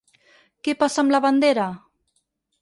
Què passa amb la bandera?